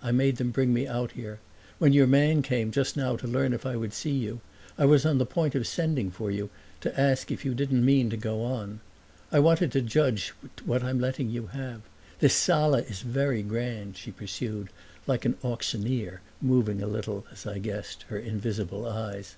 I made them bring me out here. When your man came, just now, to learn if I would see you, I was on the point of sending for you, to ask if you didn't mean to go on. I wanted to judge what I'm letting you have. This sala is very grand," she pursued, like an auctioneer, moving a little, as I guessed, her invisible eyes.